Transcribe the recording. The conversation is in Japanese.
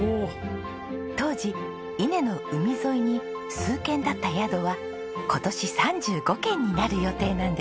当時伊根の海沿いに数軒だった宿は今年３５軒になる予定なんです。